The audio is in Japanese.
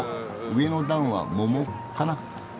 上の段は桃かな？